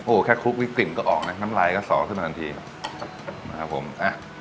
โอ้ยแค่คลุกก็ออกไหมน้ำล้ายก็สอขึ้นมาทันทีมาครับผมอ่ะ